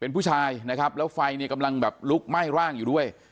ผู้ชายนะครับแล้วไฟกำลังลุกไหม้ร่างอยู่ด้วย